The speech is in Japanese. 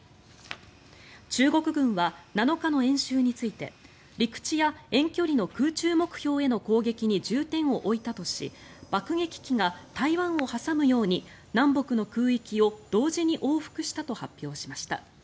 中国軍は７日の演習について陸地や遠距離の空中目標への攻撃に重点を置いたとし爆撃機が台湾を挟むように南北の空域を同時に往復したと発表しました。